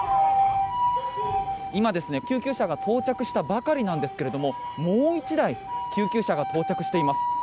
今、救急車が到着したばかりなんですがもう１台救急車が到着しています。